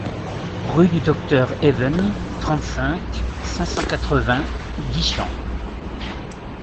Rue du Docteur Even, trente-cinq, cinq cent quatre-vingts Guichen